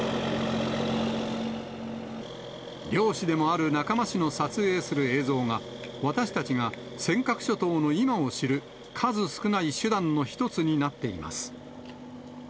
漁師でもある仲間氏の撮影する映像が、私たちが尖閣諸島の今を知る、数少ない手段の一つになっています。